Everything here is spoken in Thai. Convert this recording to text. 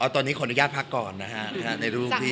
ตอนนี้ขออนุญาตพักก่อนนะฮะในรูปที่